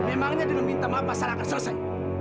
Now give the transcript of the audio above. memangnya dengan minta maaf masalah akan selesai